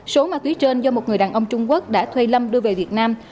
số ma túy trên do một người đàn ông trung quốc đã thuê lâm đưa về việt nam